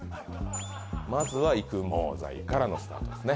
まずは育毛剤からのスタートですね